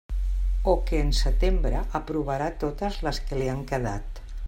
O que en setembre aprovara totes les que li han quedat.